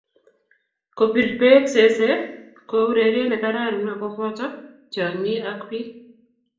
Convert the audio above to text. Kupir beek zeze ko urerie ne kararan ako boto tiongii ak biik.